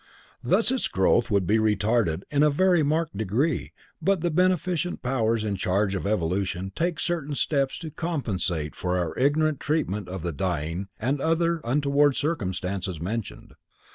Thus its growth would be retarded in a very marked degree, but the beneficent powers in charge of evolution take certain steps to compensate for our ignorant treatment of the dying and other untoward circumstances mentioned.